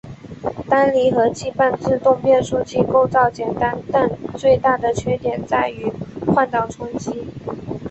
单离合器半自动变速器构造简单但最大的缺点在于换挡冲击。